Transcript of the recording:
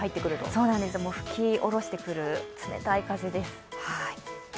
吹き下ろしてくる冷たい風です。